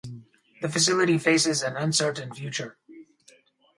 The facility faces an uncertain future.